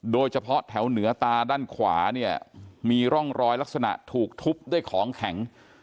โดยเฉพาะแถวเหนือตาด้านขวาเนี่ยมีร่องรอยลักษณะถูกทุบด้วยของแข็ง